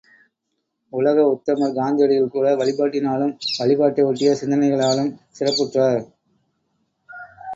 உலக உத்தமர் காந்தியடிகள் கூட வழிபாட்டினாலும் வழிபாட்டை ஒட்டிய சிந்தனைகளினாலும் சிறப்புற்றார்.